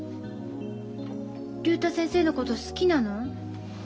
竜太先生のこと好きなの？